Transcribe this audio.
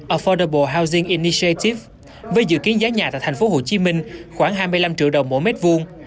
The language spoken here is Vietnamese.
affordable housing initiative với dự kiến giá nhà tại tp hcm khoảng hai mươi năm triệu đồng mỗi mét vuông